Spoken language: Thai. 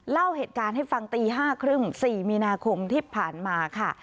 เล่าเหตุการณ์ให้ฟังตี๕๓๐๔มีนาคมที่ผ่านมาค่ะ